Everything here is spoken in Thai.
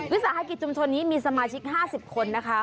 วิสาหกิจชุมชนนี้มีสมาชิก๕๐คนนะคะ